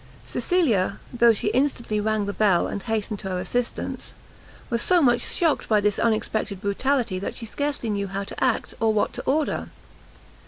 Cecilia, though she instantly rang the bell, and hastened to her assistance, was so much shocked by this unexpected brutality, that she scarcely knew how to act, or what to order.